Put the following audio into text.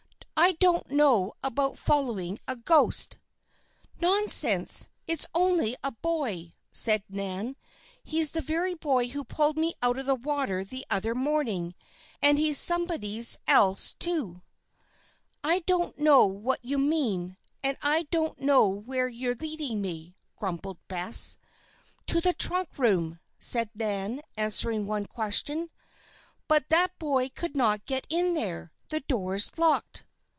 "I don't know about following a ghost." "Nonsense! It's only a boy," said Nan. "He's the very boy who pulled me out of the water the other morning. And he's somebody else, too!" "I don't know what you mean, and I don't know where you're leading me," grumbled Bess. "To the trunk room," said Nan, answering one question. "But that boy could not get in there. The door's locked."